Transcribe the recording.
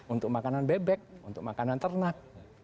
untuk makanan bebek untuk makanan ternak